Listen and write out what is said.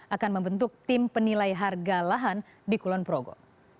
akan membentuk tim penilai harga lahan di kulon progo